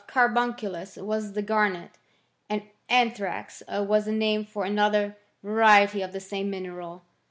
Carbunculus was the garnet; and anthrax was a name for another variety of the same mineral.